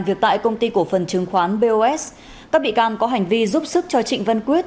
việc tại công ty cổ phần chứng khoán bos các bị can có hành vi giúp sức cho trịnh văn quyết